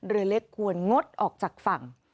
เรือเล็กควรงดออกจากฝั่ง